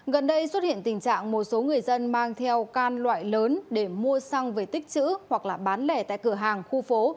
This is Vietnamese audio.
gần đây xuất hiện tình trạng một số người dân mang theo can loại lớn để mua xăng về tích chữ hoặc là bán lẻ tại cửa hàng khu phố